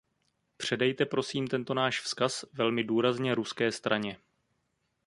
Předejte prosím tento náš vzkaz velmi důrazně ruské straně.